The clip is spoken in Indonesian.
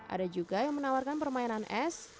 ada juga yang menawarkan permainan es